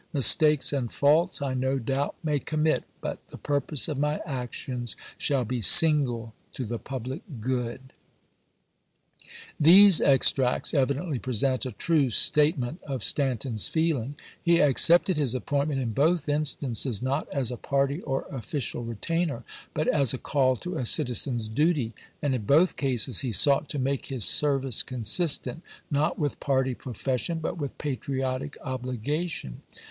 Mistakes and faults I no doubt may commit, but the purpose of my actions shall be single to the public good." These extracts evidently present a true state ment of Stanton's feeling. He accepted his ap pointment in both instances, not as a party or official retainer, but as a call to a citizen's duty ; and in both cases he sought to make his service consistent, not with party profession, but with patriotic obligation.